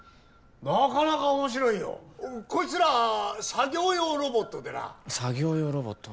なかなか面白いよこいつら作業用ロボットでな作業用ロボット？